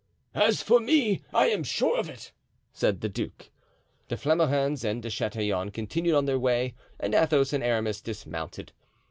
"As for me, I am sure of it," said the duke. De Flamarens and De Chatillon continued on their way and Athos and Aramis dismounted.